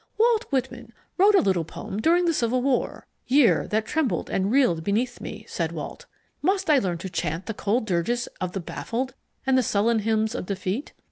Walt Whitman wrote a little poem during the Civil War Year that trembled and reeled beneath me, said Walt, Must I learn to chant the cold dirges of the baffled, and sullen hymns of defeat?